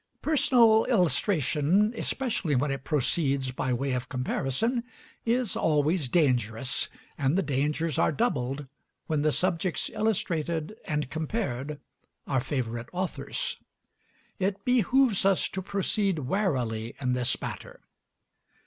Personal illustration, especially when it proceeds by way of comparison, is always dangerous, and the dangers are doubled when the subjects illustrated and compared are favorite authors. It behoves us to proceed warily in this matter.